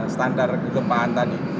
standar kegempaan tadi